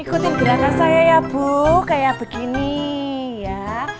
ikutin gerakan saya ya bu kayak begini ya